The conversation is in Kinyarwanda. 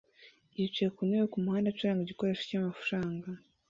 yicaye ku ntebe kumuhanda acuranga igikoresho cyamafaranga